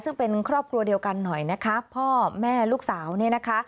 ซึ่งเป็นครอบครัวเดียวกันหน่อยนะคะพ่อแม่ลูกสาวเนี่ยนะคะ